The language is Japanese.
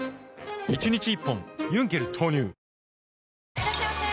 いらっしゃいませ！